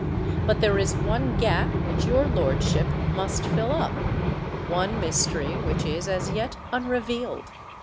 But there is one gap which your lordship must fill up—one mystery which is as yet unrevealed.